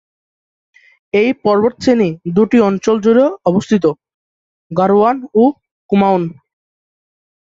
এই পর্বতশ্রেণী দুইটি অঞ্চল জুড়ে অবস্থিত: গাড়োয়াল ও কুমাউন।